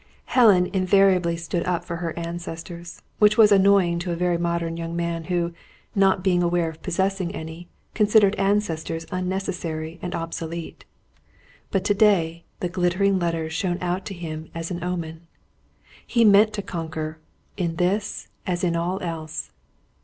Helen invariably stood up for her ancestors, which was annoying to a very modern young man who, not being aware of possessing any, considered ancestors unnecessary and obsolete. But to day the glittering letters shone out to him as an omen. He meant to conquer, in this, as in all else.